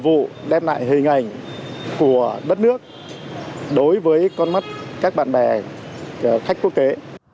vụ đem lại hình ảnh của đất nước đối với con mắt các bạn bè khách quốc tế